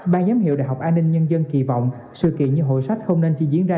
ban giám hiệu đại học an ninh nhân dân kỳ vọng sự kiện như hội sách không nên chỉ diễn ra